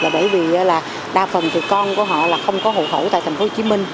bởi vì đa phần con của họ không có hộ khẩu tại tp hcm